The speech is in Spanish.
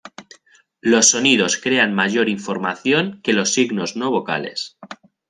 Los sonidos crean mayor información que los signos no vocales.